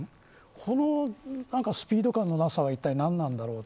このスピード感のなさはいったい何なんだろう。